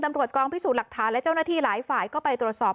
ตำรวจกองพิสูจน์หลักฐานและเจ้าหน้าที่หลายฝ่ายก็ไปตรวจสอบ